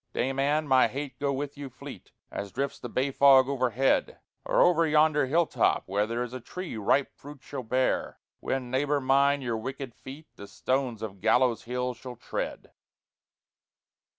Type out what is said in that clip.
Dame Anne, mye hate goe with you fleete As drifts the Bay fogg overhead Or over yonder hill topp, where There is a tree ripe fruit shall bear When, neighbour myne, your wicked feet The stones of Gallows Hill shall tread.